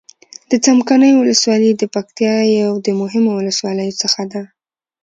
د څمکنيو ولسوالي د پکتيا يو د مهمو ولسواليو څخه ده.